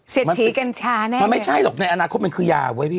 เสร็จถีกันชาแน่นี่มันไม่ใช่หรอกในอนาคตมันคือยาไว้พี่